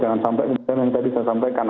jangan sampai kemudian yang tadi saya sampaikan